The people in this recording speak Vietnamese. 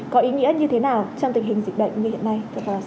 có ý nghĩa như thế nào trong tình hình dịch bệnh như hiện nay